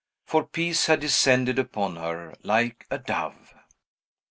For peace had descended upon her like a dove.